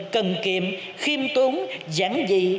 cần kiệm khiêm tốn giảng dị